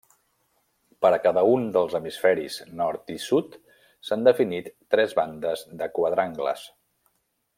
Per a cada un dels hemisferis nord i sud s'han definit tres bandes de quadrangles.